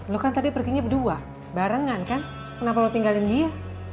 lo kan tadi perginya berdua barengan kan kenapa lo tinggalin dia